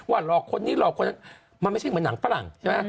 หลอกคนนี้หลอกคนนั้นมันไม่ใช่เหมือนหนังฝรั่งใช่ไหม